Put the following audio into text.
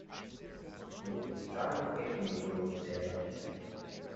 He is driving it in broad daylight.